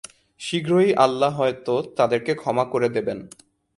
শীঘ্রই আল্লাহ হয়ত তাদেরকে ক্ষমা করে দেবেন।